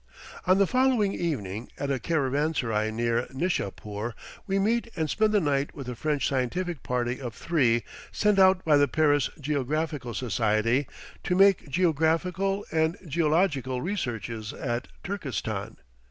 On the following evening, at a caravanserai near Nishapoor, we meet and spend the night with a French scientific party of three sent out by the Paris Geographical Society to make geographical and geological researches in Turkestan.